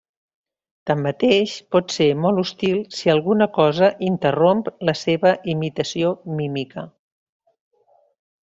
Tanmateix, pot ser molt hostil si alguna cosa interromp la seva imitació mímica.